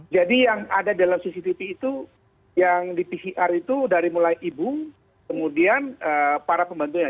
jadi yang ada dalam cctv itu yang di pcr itu dari mulai ibu kemudian para pembantunya